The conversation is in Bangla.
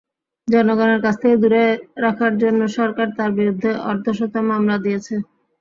জনগণের কাছ থেকে দূরে রাখার জন্য সরকার তাঁর বিরুদ্ধে অর্ধশত মামলা দিয়েছে।